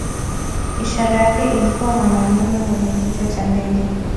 Ishara yake ilikuwa mwanamume mwenye kichwa cha ndege.